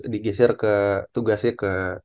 digeser ke tugasnya ke